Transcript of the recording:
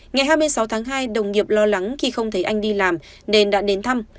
ngày hai mươi sáu tháng hai đồng nghiệp lo lắng khi không thấy anh đi làm nên đã đến thăm